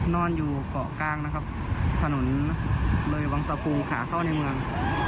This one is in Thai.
นอนอยู่เกาะกลางนะครับถนนเลยวังสะพูขาเข้าในเมือง